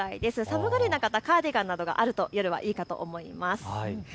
寒がりな方はカーディガンなどあるといいと思います。